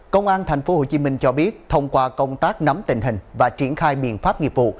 công an thành phố hồ chí minh cho biết thông qua công tác nắm tình hình và triển khai miền pháp nghiệp vụ